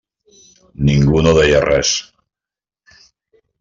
Ningú no deia res.